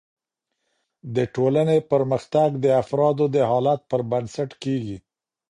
د ټولني پرمختګ د افرادو د حالت پر بنسټ کیږي.